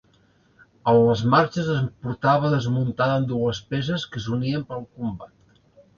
En les marxes es portava desmuntada en dues peces que s'unien per al combat.